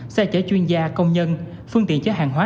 xe chở chuyên gia công nhân phương tiện chở hàng hóa